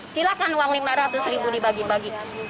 silakan uang lima ratus ribu dibagi bagi